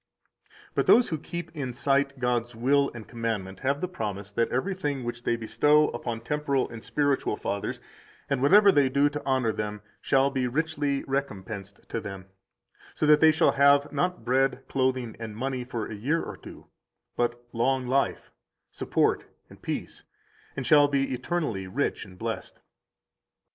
164 But those who keep in sight God's will and commandment have the promise that everything which they bestow upon temporal and spiritual fathers, and whatever they do to honor them, shall be richly recompensed to them, so that they shall have, not bread, clothing, and money for a year or two, but long life, support, and peace, and shall be eternally rich and blessed.